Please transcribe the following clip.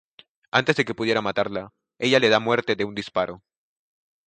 Antes de que pueda matarla, ella le da muerte de un disparo.